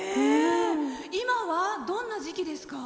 今はどんな時期ですか？